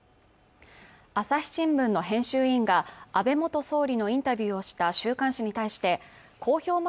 朝日新聞の編集委員が安倍元総理のインタビューをした週刊誌に対して公表